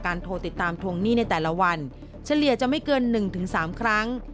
โทรติดตามทวงหนี้ในแต่ละวันเฉลี่ยจะไม่เกิน๑๓ครั้ง